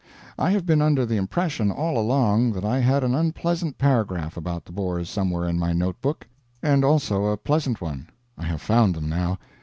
I have been under the impression all along that I had an unpleasant paragraph about the Boers somewhere in my notebook, and also a pleasant one. I have found them now.